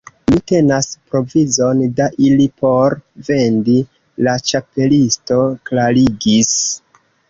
"Mi tenas provizon da ili por vendi," la Ĉapelisto klarigis.